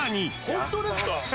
本当ですか？